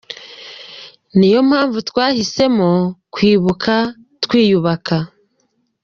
Ni yo mpamvu twahisemo Kwibuka twiyubaka.